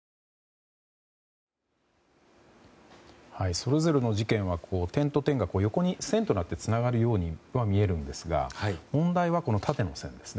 それぞれの事件は点と点が横に線となってつながるように見えるんですが問題はこの縦の線ですね。